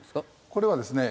これはですね